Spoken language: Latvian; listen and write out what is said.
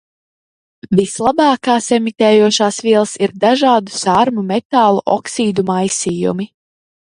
Vislabākās emitējošās vielas ir dažādu sārmu metālu oksīdu maisījumi.